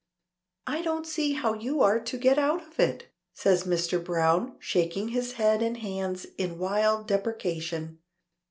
"I don't see how you are to get out of it," says Mr. Browne, shaking his head and hands in wild deprecation.